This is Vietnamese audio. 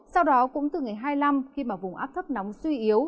sau đó cũng từ ngày hai mươi năm khi mà vùng áp thấp nóng suy yếu